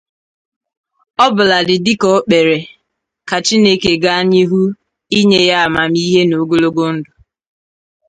ọbụladị dịka o kpere ka Chineke gaa n'ihu inye ya amamihe na ogologo ndụ.